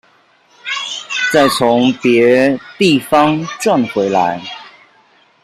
再從別地方賺回來